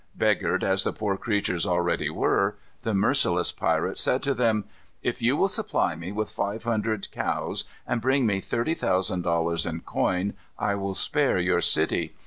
Beggared as the poor creatures already were, the merciless pirate said to them: "If you will supply me with five hundred cows, and bring me thirty thousand dollars in coin, I will spare your city.